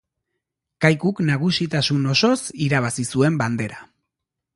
Kaikuk nagusitasun osoz irabazi zuen Bandera.